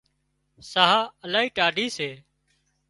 ساهَه الاهي ٽاڍي سي